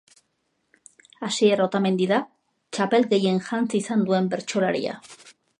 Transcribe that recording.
Asier Otamendi da txapel gehien jantzi izan duen bertsolaria.